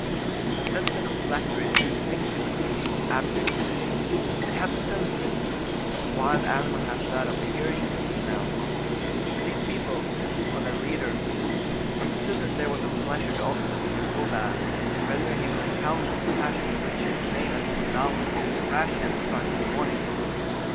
The sentiment of flattery is instinctive with people of abject condition; they have the sense of it, as the wild animal has that of hearing and smell. These people, or their leader, understood that there was a pleasure to offer to M. Colbert, in rendering him an account of the fashion in which his name had been pronounced during the rash enterprise of the morning.